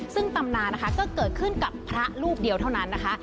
ซึ่งตำนานนะคะก็เกิดขึ้นกับพระรูปเดียวเท่านั้นนะคะ